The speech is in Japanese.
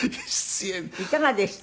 いかがでした？